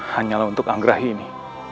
hanyalah untuk anggrahi ini